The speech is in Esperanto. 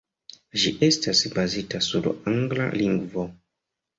Ĝi estas bazita sur angla lingvo.